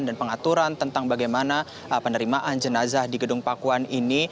dan pengaturan tentang bagaimana penerimaan jenazah di gedung pakuan ini